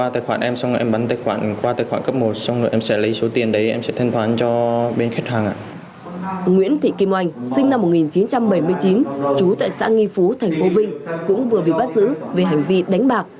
thành phố vinh cũng vừa bị bắt giữ về hành vi đánh bạc